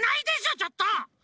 ちょっと！